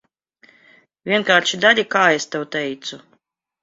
Vienkārši dari, kā es tev teicu.